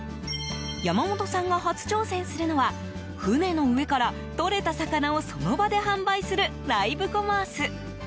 山本さんが初挑戦するのは船の上からとれた魚をその場で販売するライブコマース。